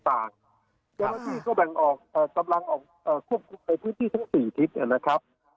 แพร่นดิ่งก็แบ่งออกช่ำลังออกควบคุกในพื้นที่ทั้ง๔คลิปเนี่ยนะครับ